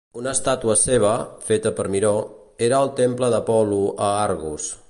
Una estàtua seva, feta per Miró, era al temple d'Apol·lo a Argos.